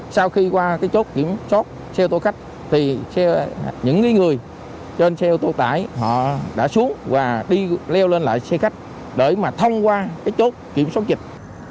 sau khi qua cái chốt kiểm soát xe ô tô khách thì những người trên xe ô tô tải họ đã xuống và đi leo lên lại xe khách để mà thông qua cái chốt kiểm soát dịch